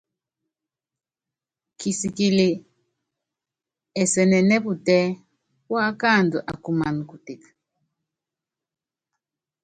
Kisikili ɛsɛnɛnɛ́ putɛ́, púákandu akumana kutek.